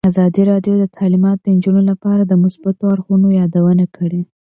ازادي راډیو د تعلیمات د نجونو لپاره د مثبتو اړخونو یادونه کړې.